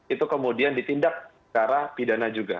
itu kemudian ditindak ke arah pidana juga